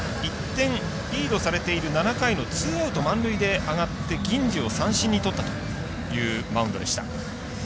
１点リードされている７回のツーアウト、満塁で上がって銀次を三振にとったというマウンドでした。